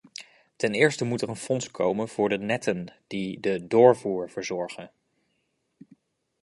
Ten eerste moet er een fonds komen voor de netten die de doorvoer verzorgen.